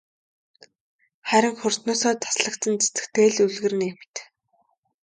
Харин хөрснөөсөө таслагдсан цэцэгтэй л үлгэр нэг мэт.